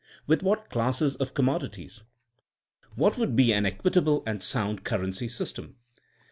With what classes of com modities f What would be an eqmtable and sound cur ren^y system?